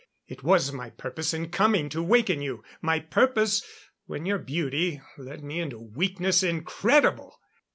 It was my purpose in coming to waken you my purpose, when your beauty led me into weakness incredible....